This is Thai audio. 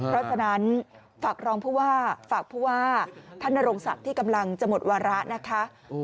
เพราะฉะนั้นฝากรองผู้ว่าฝากผู้ว่าท่านนโรงศักดิ์ที่กำลังจะหมดวาระนะคะ